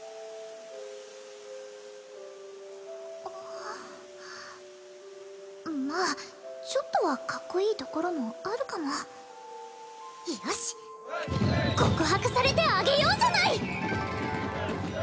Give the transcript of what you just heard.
あっまあちょっとはかっこいいところもあるかもよしっ告白されてあげようじゃない！